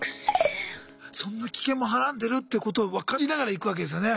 そんな危険もはらんでるってことを分かりながら行くわけですよね。